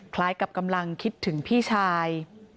คล้ายกับกำลังคิดถึงพี่ชาย